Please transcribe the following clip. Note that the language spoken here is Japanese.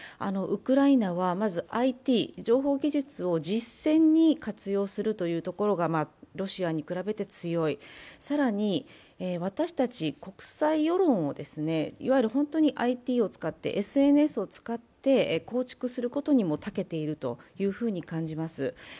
ウクライナはまずＩＴ、情報技術を実戦に活用するところがロシアに比べて強い、更に、私たち国際世論を本当にＩＴを使って、ＳＮＳを使って構築することにもたけていると感じます。